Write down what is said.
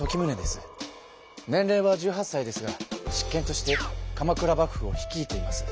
年れいは１８さいですが執権として鎌倉幕府を率いています。